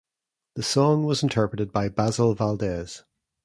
The song was interpreted by Basil Valdez.